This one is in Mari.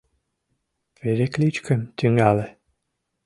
Перекличкым тӱҥале.